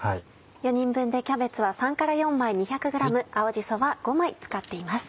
４人分でキャベツは３から４枚２００ｇ青じそは５枚使っています。